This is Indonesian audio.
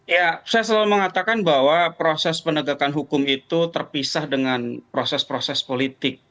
ya saya selalu mengatakan bahwa proses penegakan hukum itu terpisah dengan proses proses politik